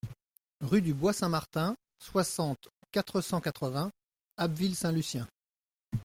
Rue du Bois Saint-Martin, soixante, quatre cent quatre-vingts Abbeville-Saint-Lucien